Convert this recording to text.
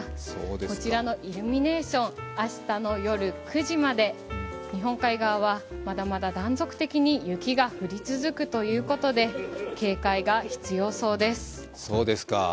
こちらのイルミネーション、明日の夜９時まで、日本海側はまだまだ断続的に雪が降り続くということで警戒が必要そうです。